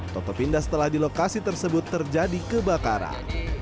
toto pindah setelah di lokasi tersebut terjadi kebakaran